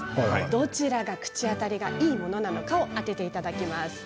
どちらが口当たりがいいものなのかを当てていただきます。